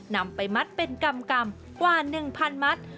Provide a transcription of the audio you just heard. นำไปมัดเป็นกรรมกว่า๑๐๐๐มัตต์